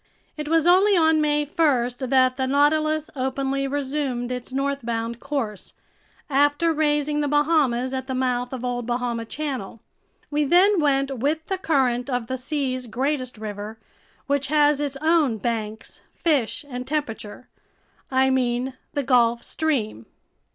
It was only on May 1 that the Nautilus openly resumed its northbound course, after raising the Bahamas at the mouth of Old Bahama Channel. We then went with the current of the sea's greatest river, which has its own banks, fish, and temperature. I mean the Gulf Stream.